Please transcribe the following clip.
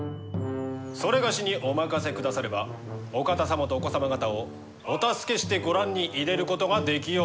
某にお任せくださればお方様とお子様方をお助けしてご覧に入れることができようかと。